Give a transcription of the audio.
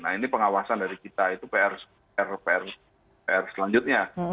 nah ini pengawasan dari kita itu pr selanjutnya